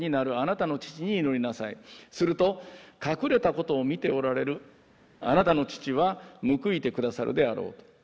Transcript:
すると隠れたことを見ておられるあなたの父は報いて下さるであろう。